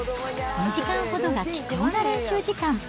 ２時間ほどが貴重な練習時間。